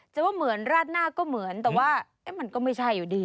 ว่าเหมือนราดหน้าก็เหมือนแต่ว่ามันก็ไม่ใช่อยู่ดี